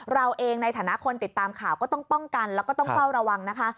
เราเองในฐานะคนติดตามข่าวก็ต้องป้องกันแล้วก็ต้องเฝ้าระวังนะคะ